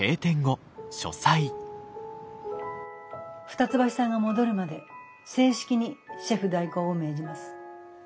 二ツ橋さんが戻るまで正式にシェフ代行を命じます。